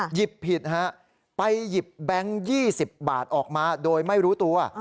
หยิบผิดฮะไปหยิบแบงค์๒๐บาทออกมาโดยไม่รู้ตัว